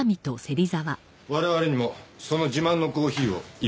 我々にもその自慢のコーヒーを一杯頂けますかね？